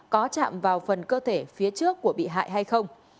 có chạm vào phần cơ thể phía trước của bị hại hay không